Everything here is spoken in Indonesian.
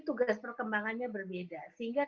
tugas perkembangannya berbeda sehingga